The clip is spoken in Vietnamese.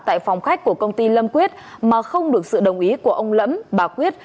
tại phòng khách của công ty lâm quyết mà không được sự đồng ý của ông lẫm bà quyết